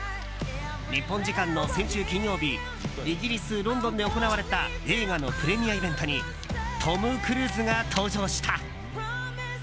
日本時間の先週金曜日イギリス・ロンドンで行われた映画のプレミアイベントにトム・クルーズが登場した。